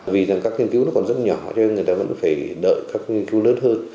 vì rằng các nghiên cứu nó còn rất nhỏ cho nên người ta vẫn phải đợi các nghiên cứu lớn hơn